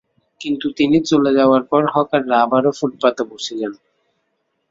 কিন্তু তিনি চলে যাওয়ার পর হকাররা আবারও ফুটপাতে বসে যান।